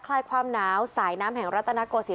คล้ายความน้าวสายน้ำแห่งรัตนโกศิน